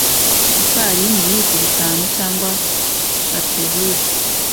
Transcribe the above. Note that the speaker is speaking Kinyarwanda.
ifarini ibiyiko bitanu cyangwa chapelure